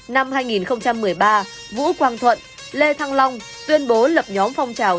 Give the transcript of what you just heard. năm hai nghìn một mươi ba vũ quang thuận lê thăng long tuyên bố lập nhóm phong trào